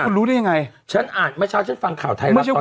คุณรู้ได้ยังไงฉันอ่านมาเช้าฉันฟังข่าวไทยระยะ